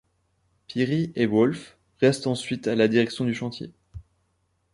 Pirrie et Wolff restent ensuite à la direction du chantier.